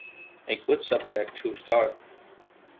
A good subject to start!